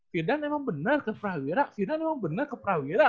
firdan emang bener ke prawira firdan emang bener ke prawira